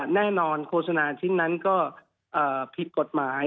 แน่นอนโฆษณาชิ้นนั้นก็ผิดกฎหมาย